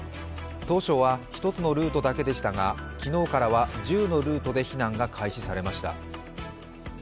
当初は１つのルートだけでしたが昨日からは１０のルートで避難が開始されました。